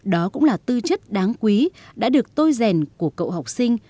đó cũng là tư chất đáng quý đã được tôi rèn của cậu học sinh